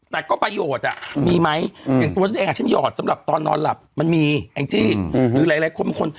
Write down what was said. แต่ก็ประโยชน์มีไหมอย่างตัวฉันเองฉันหยอดสำหรับตอนนอนหลับมันมีแองจี้หรือหลายคนเป็นคน